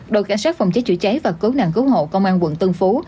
đội cảnh sát phòng cháy chữa cháy và cứu nạn cứu hộ công an quận tân phú